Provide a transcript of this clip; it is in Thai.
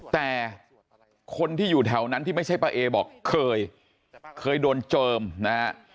แต่คนที่อยู่แถวนั้นที่ไม่ใช่ป้าเอบอกเคยเคยโดนเจิมนะฮะ